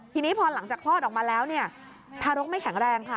ทีนี้พอหลังจากคลอดออกมาแล้วเนี่ยทารกไม่แข็งแรงค่ะ